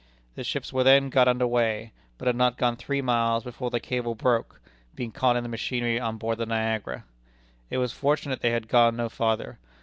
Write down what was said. The ships were then got under way, but had not gone three miles, before the cable broke, being caught in the machinery on board the Niagara. It was fortunate they had gone no farther.